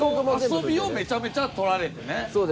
もう遊びをめちゃめちゃ撮られてね。